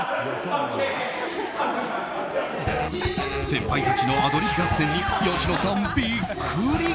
先輩たちのアドリブ合戦に吉野さんビックリ。